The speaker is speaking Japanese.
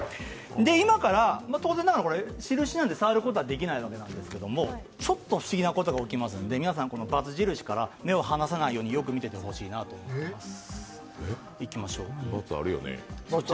今から、当然ながら印なので触ることはできないんですがちょっと不思議なことが起きますから、皆さん、この×印から目を離さないように、よく見ててほしいと思います。